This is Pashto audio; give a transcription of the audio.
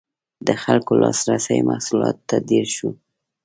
• د خلکو لاسرسی محصولاتو ته ډېر شو.